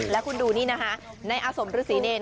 แล้วคุณดูนี่นะคะในอาสมฤษีเนร